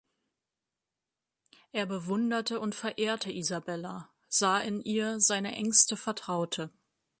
Er bewunderte und verehrte Isabella, sah in ihr seine engste Vertraute.